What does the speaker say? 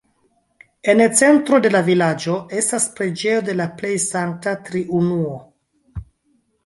En centro de la vilaĝo estas preĝejo de la Plej Sankta Triunuo.